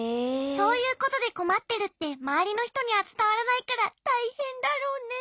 そういうことでこまってるってまわりのひとにはつたわらないからたいへんだろうね。